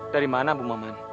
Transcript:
dari mana bu maman